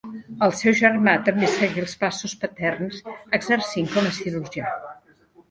El seu germà també seguí els passos paterns exercint com a cirurgià.